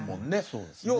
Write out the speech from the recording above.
そうですね。